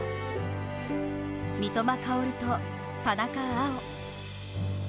三笘薫と田中碧。